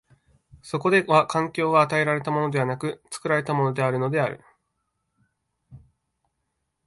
そこでは環境は与えられたものでなく、作られたものであるのである。